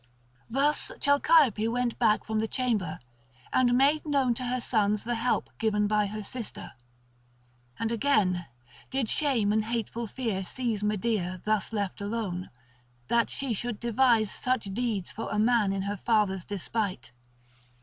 Thus Chalciope went back from the chamber, and made known to her sons the help given by her sister. And again did shame and hateful fear seize Medea thus left alone, that she should devise such deeds for a man in her father's despite.